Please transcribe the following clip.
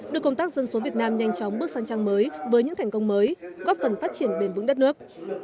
đưa công tác dân số việt nam nhanh chóng bước sang trang mới với những thành công mới góp phần phát triển bền vững đất nước